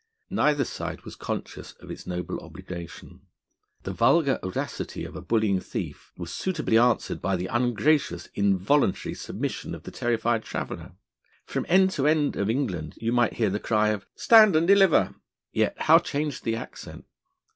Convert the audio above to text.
Neither side was conscious of its noble obligation. The vulgar audacity of a bullying thief was suitably answered by the ungracious, involuntary submission of the terrified traveller. From end to end of England you might hear the cry of 'Stand and deliver.' Yet how changed the accent!